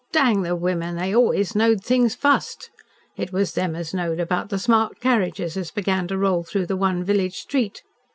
"Dang the women, they always knowed things fust." It was them as knowed about the smart carriages as began to roll through the one village street.